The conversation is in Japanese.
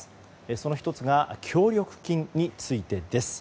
その１つが協力金についてです。